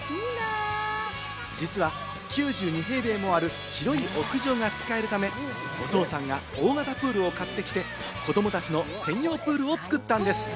実は９２平米もある広い浴場が使えるため、お父さんが大型プールを買ってきて、子供たちの専用プールを作ったんです。